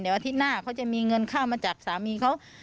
เดี๋ยวอาทิตย์หน้าเขาจะมีเงินข้าวมาจัดสามีเขา